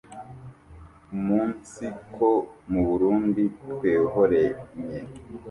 umunsiko mu Burunndi twehorenye